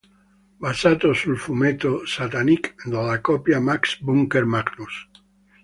Basato sul fumetto "Satanik" della coppia Max Bunker-Magnus.